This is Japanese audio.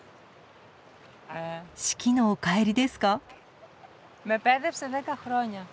式のお帰りですか？